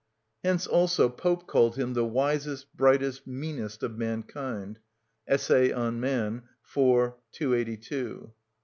Hence also Pope called him "the wisest, brightest, meanest of mankind" ("Essay on Man," iv. 282).